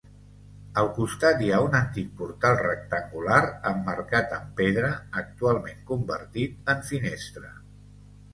Al costat hi ha un antic portal rectangular emmarcat amb pedra, actualment convertit en finestra.